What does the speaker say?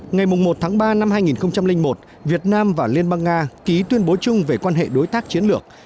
ngày một ba hai nghìn một việt nam và liên bang nga ký tuyên bố chung về quan hệ đối tác chiến lược